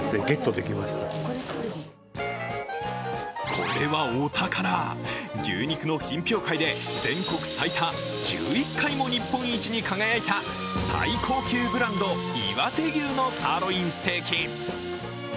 これはお宝、牛肉の品評会で全国最多１１回も日本一に輝いた最高級ブランド・いわて牛のサーロインステーキ。